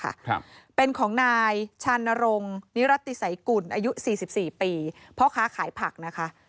ครับเป็นของนายชานรงค์นิรัติสัยกุลอายุสี่สิบสี่ปีพ่อค้าขายผักนะคะ